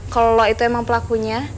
kalau itu emang pelakunya